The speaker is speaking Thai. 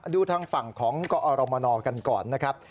ดูทางฝั่งของกอรมนกันก่อนนะครับ